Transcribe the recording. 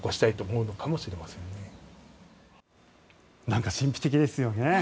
なんか神秘的ですよね。